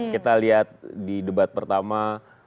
kita lihat di debat pertama